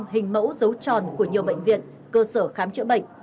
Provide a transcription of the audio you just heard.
năm mươi năm hình mẫu dấu tròn của nhiều bệnh viện cơ sở khám chữa bệnh